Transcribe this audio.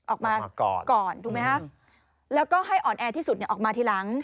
ออกมาก่อนถูกไหมคะแล้วก็ให้อ่อนแอที่สุดออกมาทีหลัง